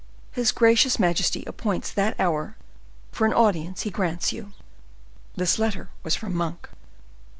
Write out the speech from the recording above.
His gracious majesty appoints that hour for an audience he grants you." This letter was from Monk.